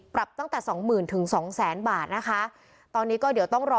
ปรับตั้งแต่สองหมื่นถึงสองแสนบาทนะคะตอนนี้ก็เดี๋ยวต้องรอ